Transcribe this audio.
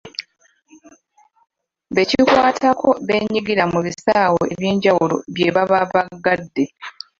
Be kikwatako beenyigira mu bisaawe eby'enjawulo bye baba baagadde.